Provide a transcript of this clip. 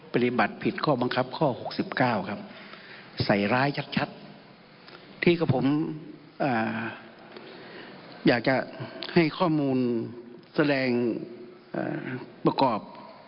ปฏิบัติผิดข้อบังคับข้อ๖๙ครับใส่ร้ายชัดที่ผมอยากจะให้ข้อมูลแสดงประกอบ